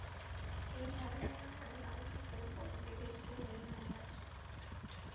ওই মলটাকে আমাদের আরো সকল বন্দিদেরকে হলে নিয়ে আসো।